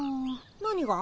何が？